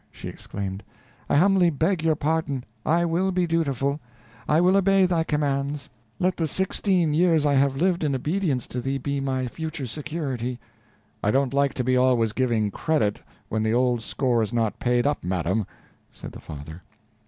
she exclaimed, "I humbly beg your pardon I will be dutiful I will obey thy commands. Let the sixteen years I have lived in obedience to thee be my future security." "I don't like to be always giving credit, when the old score is not paid up, madam," said the father.